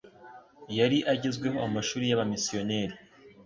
yari agezweho amashuri y'abamisiyoneri